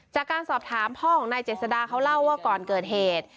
จากการสอบถามพ่อของนายเจษดาเขาเล่าว่าก่อนเกิดเหตุ